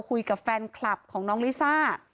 คุยกับแฟนคลับของน้องลิซ่า